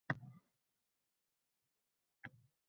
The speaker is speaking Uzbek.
Bu dunyodan to’ydim oxir